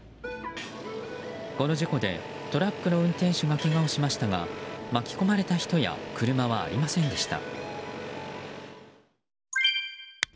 この事故でトラックの運転手がけがをしましたが巻き込まれた人や車はありませんでした。